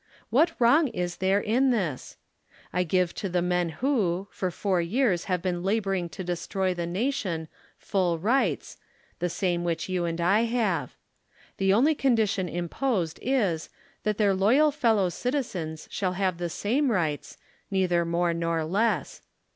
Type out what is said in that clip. "What wrong is there in this ? I give to the men who, for four years have been laboring to destroy the nation full rights ŌĆö the same which you and I have. The only condition imposed, is, that th^ir loyal fellow citizens shall have the same rights, neither more nor less.